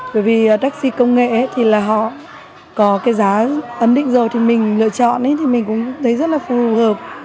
bởi vì taxi công nghệ thì là họ có cái giá ấn định rồi thì mình lựa chọn thì mình cũng thấy rất là phù hợp